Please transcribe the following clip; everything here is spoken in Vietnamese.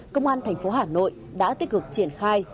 công an thành phố hà nội đã tích cực triển khai